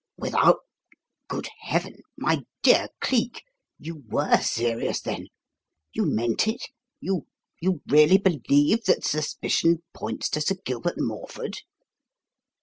"Without Good Heaven! My dear Cleek, you were serious, then? You meant it? You you really believe that suspicion points to Sir Gilbert Morford?"